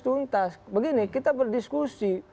tuntas begini kita berdiskusi